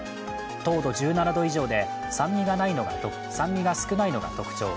糖度１７度以上で酸味が少ないのが特徴。